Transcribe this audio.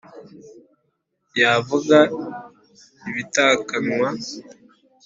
yavuga ibitakanwa